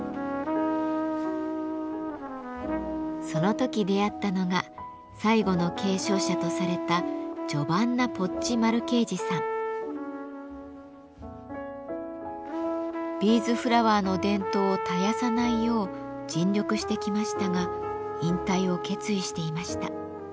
その時出会ったのが最後の継承者とされたビーズフラワーの伝統を絶やさないよう尽力してきましたが引退を決意していました。